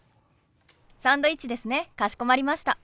サンドイッチですねかしこまりました。